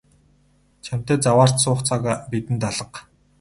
Чамтай заваарч суух цаг бидэнд алга.